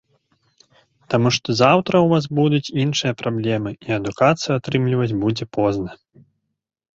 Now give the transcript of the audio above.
Таму што заўтра ў вас будуць іншыя праблемы, і адукацыю атрымліваць будзе позна.